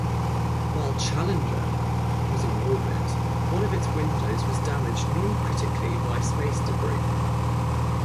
While "Challenger" was on-orbit, one of its windows was damaged non-critically by space debris.